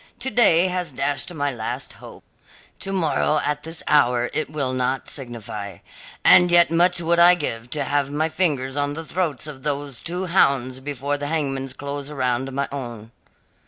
To day has dashed my last hope; to morrow at this hour it will not signify. And yet much would I give to have my fingers on the throats of those two hounds before the hangman's close around my own."